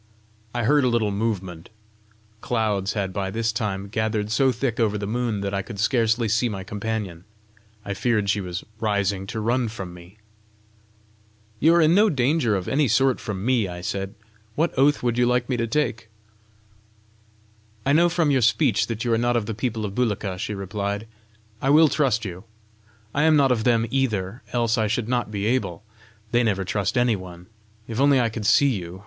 I heard a little movement. Clouds had by this time gathered so thick over the moon that I could scarcely see my companion: I feared she was rising to run from me. "You are in no danger of any sort from me," I said. "What oath would you like me to take?" "I know by your speech that you are not of the people of Bulika," she replied; "I will trust you! I am not of them, either, else I should not be able: they never trust any one If only I could see you!